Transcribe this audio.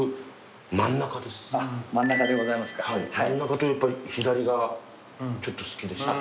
真ん中とやっぱり左がちょっと好きでした。